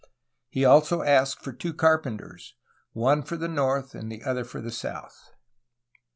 He also asked for two carpenters, one for the north and the other for the south.